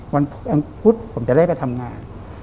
วันกุ๊ดผมจะได้ไปทำงาน